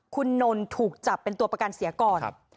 คุณนนท์ถูกจับเป็นตัวประกันเสียก่อน